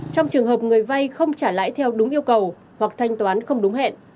trong trường hợp người vay không trả lãi theo đúng yêu cầu hoặc thanh toán không đúng hẹn